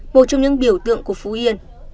một trong những biểu tượng của phú yên